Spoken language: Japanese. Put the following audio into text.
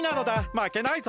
まけないぞ！